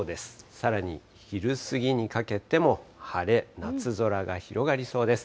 さらに昼過ぎにかけても晴れ、夏空が広がりそうです。